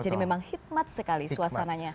jadi memang hikmat sekali suasananya